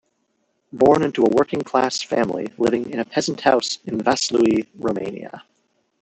Born into a working-class family living in a peasant house in Vaslui, Romania.